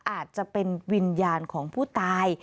อาจจะเป็นวิญญาณของผู้ตาย